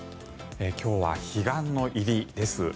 今日は彼岸の入りです。